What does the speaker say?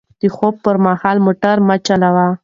د خوب پر مهال موټر مه چلوئ.